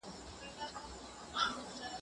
بازار به بېرته فعال سي.